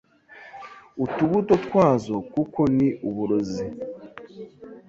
utubuto twazo kuko ni uburozi